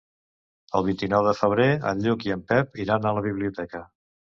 El vint-i-nou de febrer en Lluc i en Pep iran a la biblioteca.